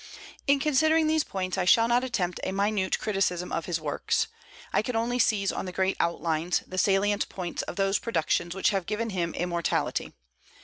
In considering these points I shall not attempt a minute criticism of his works. I can only seize on the great outlines, the salient points of those productions which have given him immortality.